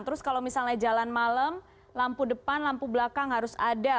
terus kalau misalnya jalan malam lampu depan lampu belakang harus ada